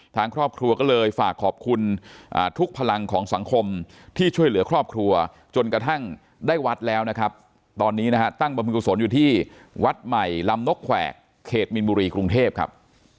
ทางครอบครัวก็เลยฝากขอบคุณทุกพลังของสังคมที่ช่วยเหลือครอบครัวจนกระทั่งได้วัดแล้วนะครับตอนนี้นะฮะตั้งบรรพิกุศลอยู่ที่วัดใหม่ลำนกแขวกเขตมินบุรีกรุงเทพครับ